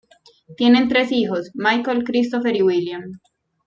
Tienen tres hijos: Michael, Christopher y William.